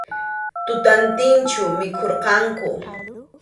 Tutantinchu mikhurqanku.